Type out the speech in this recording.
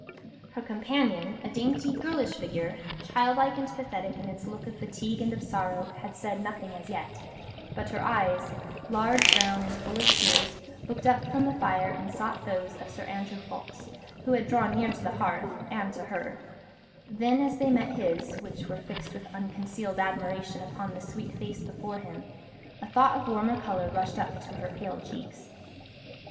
Her companion, a dainty, girlish figure, childlike and pathetic in its look of fatigue and of sorrow, had said nothing as yet, but her eyes, large, brown, and full of tears, looked up from the fire and sought those of Sir Andrew Ffoulkes, who had drawn near to the hearth and to her; then, as they met his, which were fixed with unconcealed admiration upon the sweet face before him, a thought of warmer colour rushed up to her pale cheeks.